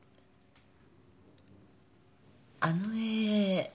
あの絵。